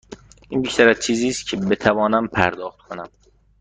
این بیشتر از چیزی است که بتوانم پرداخت کنم.